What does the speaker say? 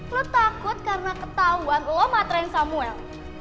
lo takut karena ketahuan lo matren samuel